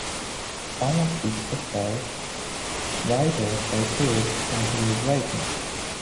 Some of these exiles, writers by trade, continued writing.